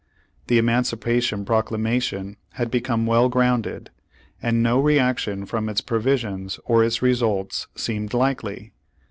The Emancipation Proclamation had become well grounded, and no reaction from its provisions or its results seemed likely.